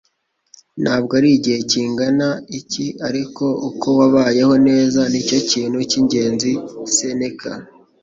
Ntabwo ari igihe kingana iki, ariko uko wabayeho neza ni cyo kintu cy'ingenzi.” - Seneka